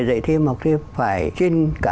dạy thêm học thêm phải trên cả